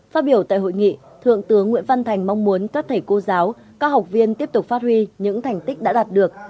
phát biểu tại hội nghị thượng tướng nguyễn văn thành mong muốn các thầy cô giáo các học viên tiếp tục phát huy những thành tích đã đạt được